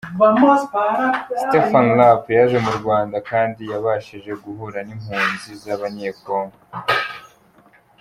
Stephen Rapp yaje mu Rwanda kandi yabashije guhura n’impunzi z’Abanyekongo.